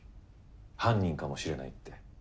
犯人かもしれないって。